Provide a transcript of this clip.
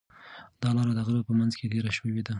دا لاره د غره په منځ کې تېره شوې ده.